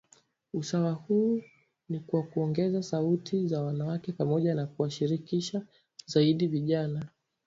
Usawa huu ni kwa kuongeza sauti za wanawake, pamoja na kuwashirikisha zaidi vijana